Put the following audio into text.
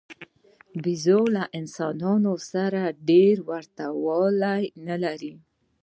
بیزو له انسانانو سره ډېره ورته والی نه لري.